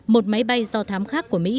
một máy bay do thám khác của mỹ